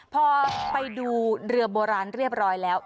พอไปดูเรือโบราณเรียบร้อยแล้ว